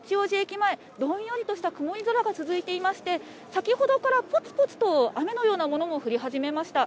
前、どんよりとした曇り空が続いていまして、先ほどからぽつぽつと雨のようなものも降り始めました。